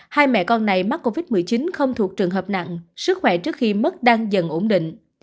hai mẹ con này mắc covid một mươi chín không thuộc trường hợp nặng sức khỏe trước khi mất đang dần ổn định